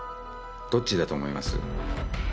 どっちだと思います？